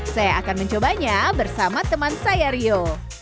saya akan mencobanya bersama teman saya rio